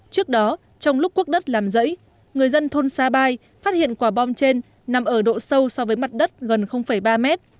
trước đó trong lúc quốc đất làm rẫy người dân thôn sa bai phát hiện quả bom trên nằm ở độ sâu so với mặt đất gần ba mét